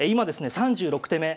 ３６手目。